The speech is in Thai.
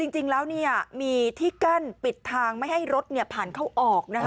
จริงแล้วมีที่กั้นปิดทางไม่ให้รถผ่านเข้าออกนะคะ